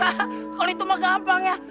hahaha kalo itu mah gampang ya